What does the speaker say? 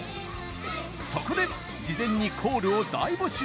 そこで、事前にコールを大募集！